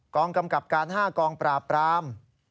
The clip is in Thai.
กองกำกับการ๕กองปราบราม